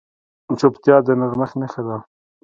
چوپتیا، د نرمښت نښه ده.